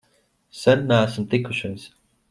Sen neesam tikušies!